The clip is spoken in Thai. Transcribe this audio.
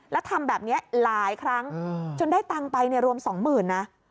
แล้วทำแบบนี้หลายครั้งจนได้ตังค์ไปรวม๒๐๐๐นะ